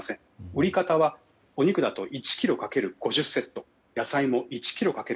売り方はお肉だと１ｋｇ×５０セット野菜も１ｋｇ×５０セット。